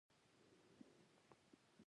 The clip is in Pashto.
پیرودونکی د خبرو نه، د کړنو باور کوي.